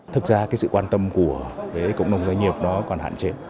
thực ra cái sự quan tâm của cộng đồng doanh nghiệp đó còn hạn chế